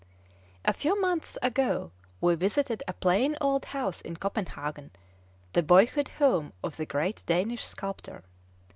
A few months ago we visited a plain old house in Copenhagen, the boyhood home of the great Danish sculptor.